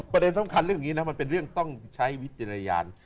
ประเด็นสำคัญเรื่องนี้นะมันเป็นเรื่องต้องใช้วิจารณญาณ